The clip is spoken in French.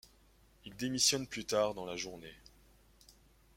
Il démissionne plus tard dans la journée.